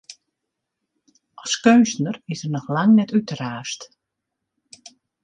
As keunstner is er noch lang net útraasd.